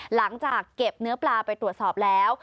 หลังจากเก็บเนื้อปลาไปตรวจสอบแล้ว